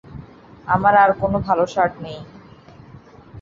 আমার আর কোনো ভালো শার্ট নেই।